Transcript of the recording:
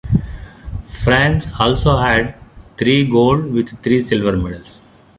France also had three gold, with three silver medals.